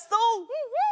うんうん！